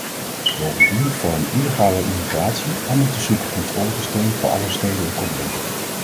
Bovendien vormen illegale immigratie en een te soepel controlesysteem voor alle steden een probleem.